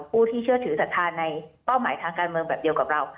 ผู้ที่เชื่อถือศรัทธาในเป้าหมายทางการเมืองแบบเดียวกับเรา